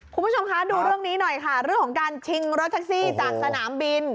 คุณผู้ชมคะดูเรื่องนี้หน่อยค่ะเรื่องของการชิงรถแท็กซี่จากสนามบิน